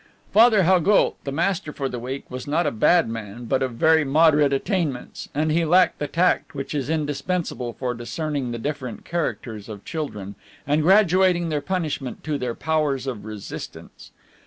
Father Haugoult, the master for the week, was not a bad man, but of very moderate attainments, and he lacked the tact which is indispensable for discerning the different characters of children, and graduating their punishment to their powers of resistance.